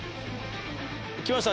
きました？